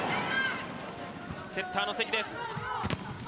セッターの関です。